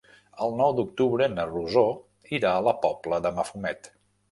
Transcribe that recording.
El nou d'octubre na Rosó irà a la Pobla de Mafumet.